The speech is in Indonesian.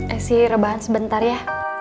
esir bahan sebentar ya